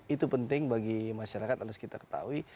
itu penting bagi masyarakat harus kita ketahui